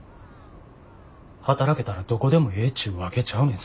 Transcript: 働けたらどこでもええちゅうわけちゃうねんぞ。